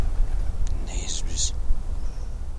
Neyiz biz?